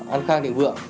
an khang tình vượng